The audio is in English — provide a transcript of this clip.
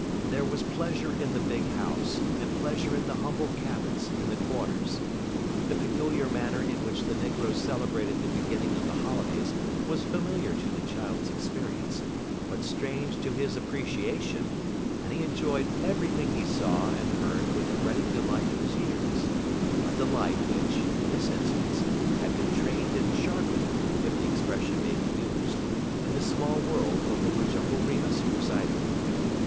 There was pleasure in the big house, and pleasure in the humble cabins in the quarters. The peculiar manner in which the negroes celebrated the beginning of the holidays was familiar to the child's experience, but strange to his appreciation, and he enjoyed everything he saw and heard with the ready delight of his years, a delight, which, in this instance, had been trained and sharpened, if the expression may be used, in the small world over which Uncle Remus presided.